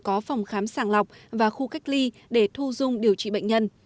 có phòng khám sàng lọc và khu cách ly để thu dung điều trị bệnh nhân